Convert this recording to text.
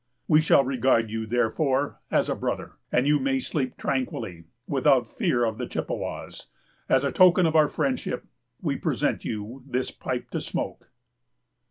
We shall regard you, therefore, as a brother; and you may sleep tranquilly, without fear of the Chippewas. As a token of our friendship, we present you this pipe to smoke.